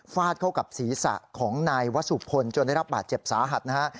ฟาดเข้ากับศีรษะของนายวสุพลจนได้รับบาดเจ็บสาหัสนะฮะ